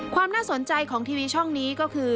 ความน่าสนใจของทีวีช่องนี้ก็คือ